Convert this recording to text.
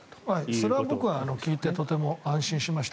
それは僕は聞いてとても安心しました。